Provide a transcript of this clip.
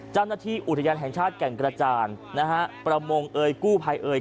เจ้าหน้าที่อุทยานแห่งชาติแก่งกระจานนะฮะประมงเอ่ยกู้ภัยเอ่ย